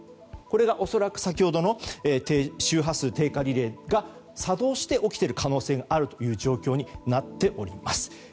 これが恐らく先ほどの周波数低下リレーが作動して起きている可能性があるという状況になっております。